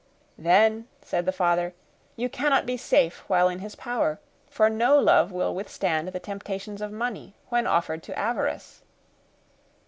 "Then," said the father, "you cannot be safe while in his power—for no love will withstand the temptations of money, when offered to avarice."